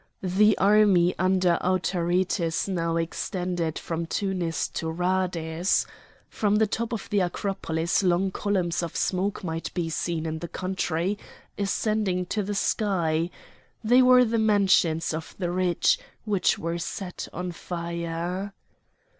The army under Autaritus now extended from Tunis to Rhades. From the top of the Acropolis long columns of smoke might be seen in the country ascending to the sky; they were the mansions of the rich, which were on fire.